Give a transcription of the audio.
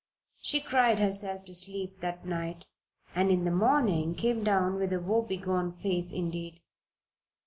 She cried herself to sleep that night and in the morning came down with a woebegone face indeed.